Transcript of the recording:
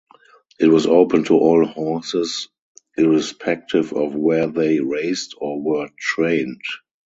It was open to all horses irrespective of where they raced or were trained.